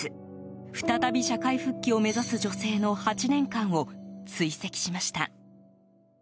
再び社会復帰を目指す女性の８年間を追跡しました。